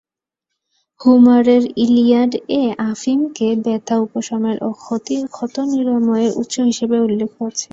হোমারের - Iliad এ আফিমকে ব্যথা উপশমের ও ক্ষত নিরাময়ের উৎস হিসেবে উল্লেখ আছে।